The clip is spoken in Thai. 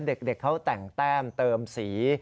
เด็กเขาแต่งแต้มเติมสี